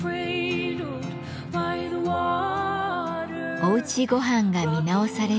おうちごはんが見直される